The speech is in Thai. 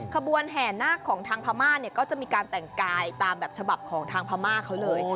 ขบวนแห่นาคของทางพม่าเนี่ยก็จะมีการแต่งกายตามแบบฉบับของทางพม่าเขาเลย